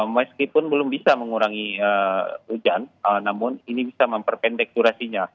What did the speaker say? meskipun belum bisa mengurangi hujan namun ini bisa memperpendek durasinya